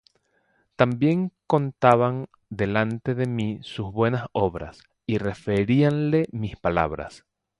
También contaban delante de mí sus buenas obras, y referíanle mis palabras.